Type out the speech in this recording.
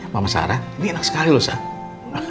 mama sarah ini enak sekali loh saya